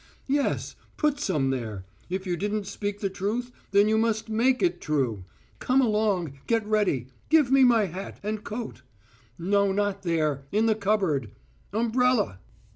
"Yes, put some there. If you didn't speak the truth, then you must make it true. Come along, get ready. Give me my hat ... and coat. No, not there; in the cupboard.... Umbrella!"